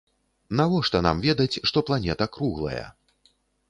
Навошта нам ведаць, што планета круглая?